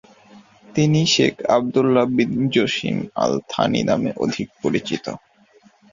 তিনি Sheikh Abdullah bin Jassim Al Thani নামে অধিক পরিচিত।